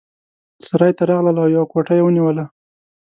سرای ته راغلل او یوه کوټه یې ونیوله.